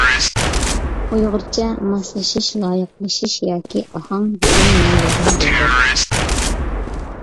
ئۇيغۇرچە «ماسلىشىش، لايىقلىشىش» ياكى «ئاھاڭ» دېگەن مەنىلەرنى بىلدۈرىدۇ.